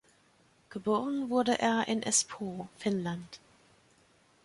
Geboren wurde er in Espoo, Finnland.